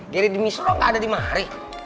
geri demistro gak ada di mari